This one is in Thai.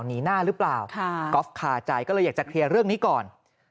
หนีหน้าหรือเปล่าก๊อฟคาใจก็เลยอยากจะเคลียร์เรื่องนี้ก่อน